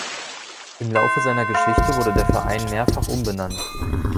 Im Laufe seiner Geschichte wurde der Verein mehrfach umbenannt.